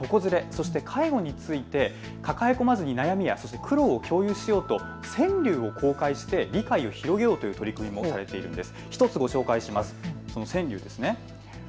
そして介護について抱え込まず悩みや苦労を共有しようと川柳を公開して理解を広げようという取り組みもされているんです。